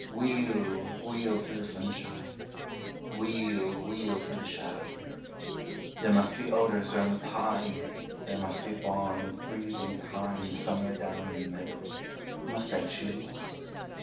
Wheel, wheel through the sunshine, Wheel, wheel through the shadow; There must be odors round the pine, There must be balm of breathing kine, Somewhere down in the meadow. Must I choose?